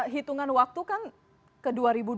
hitungan waktu kan ke dua ribu dua puluh